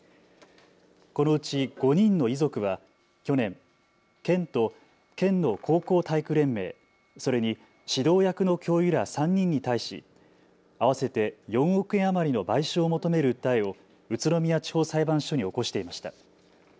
このうち５人の遺族は去年、県と県の高校体育連盟、それに指導役の教諭ら３人に対し合わせて４億円余りの賠償を求める訴えを宇都宮地方裁判所に起こしていました。